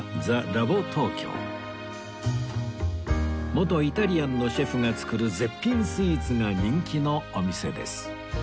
元イタリアンのシェフが作る絶品スイーツが人気のお店です